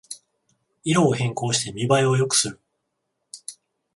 色を変更して見ばえを良くする